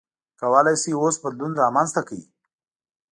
کولای شئ اوس بدلون رامنځته کړئ.